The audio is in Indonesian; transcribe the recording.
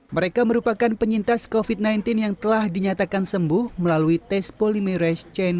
mereka merupakan penyintas covid sembilan belas yang telah dinyatakan sembuh melalui tes polimerase chain